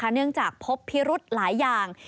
เนื่องจากพบพิรุธหลายอย่าง